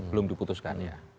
belum diputuskan ya